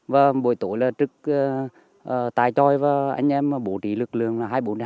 và buổi tối là trực tài tròi và anh em bổ trí lực lượng hai mươi bốn hai mươi bốn